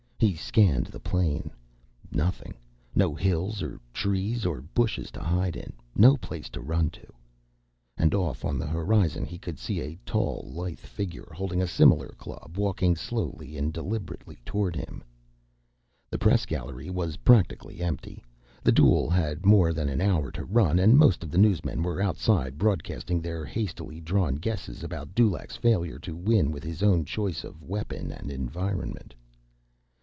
He scanned the plain. Nothing. No hills or trees or bushes to hide in. No place to run to. And off on the horizon he could see a tall, lithe figure holding a similar club walking slowly and deliberately toward him. The press gallery was practically empty. The duel had more than an hour to run, and most of the newsmen were outside, broadcasting their hastily drawn guesses about Dulaq's failure to win with his own choice of weapon and environment.